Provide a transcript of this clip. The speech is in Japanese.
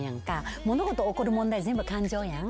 物事起こる問題全部感情やん。